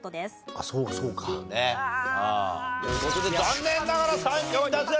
あっそうかそうか。という事で残念ながら３人脱落者。